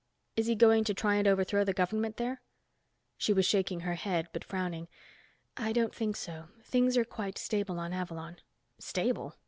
Is he going to try and overthrow the government there?" She was shaking her head, but frowning. "I don't think so. Things are quite stable on Avalon." "Stable?"